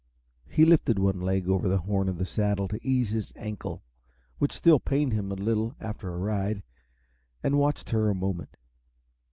He lifted one leg over the horn of the saddle to ease his ankle, which still pained him a little after a ride, and watched her a moment.